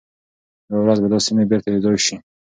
یوه ورځ به دا سیمي بیرته یو ځای شي.